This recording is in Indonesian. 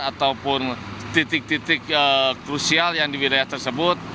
ataupun titik titik krusial yang di wilayah tersebut